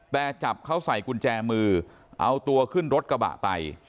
แต่จับเขาใส่กุญแจมือเอาตัวขึ้นรถกระบะไป